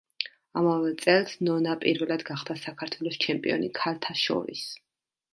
ამავე წელს ნონა პირველად გახდა საქართველოს ჩემპიონი ქალთა შორის.